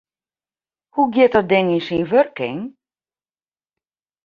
Hoe giet dat ding yn syn wurking?